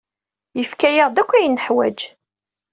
Yefka-aɣ-d akk ayen neḥwaj.